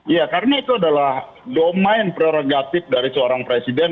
ya karena itu adalah domain prerogatif dari seorang presiden